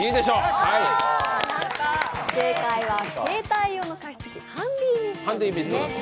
正解は携帯用の加湿器ハンディミストです。